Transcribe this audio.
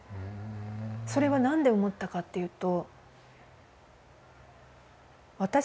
それは何で思ったかっていうと。